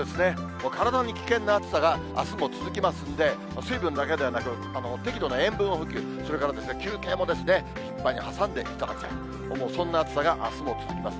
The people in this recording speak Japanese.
もう体に危険な暑さが、あすも続きますんで、水分だけではなく、適度な塩分補給、それから休憩も合間に挟んでいただいて、そんな暑さがあすも続きます。